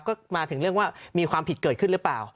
ก็มาถึงเรื่องว่ามีความผิดเกิดขึ้นหรือเปล่า